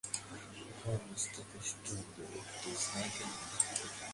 উহা মস্তিষ্কস্থ একটি স্নায়ুকেন্দ্র মাত্র।